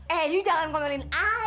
eh you jangan ngomelin ayah